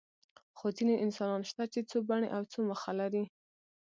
خو ځینې انسانان شته چې څو بڼې او څو مخه لري.